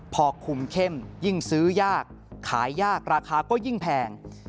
พอคุมเข้มยิ่งซื้อยากขายยากราคาก็ยิ่งแพง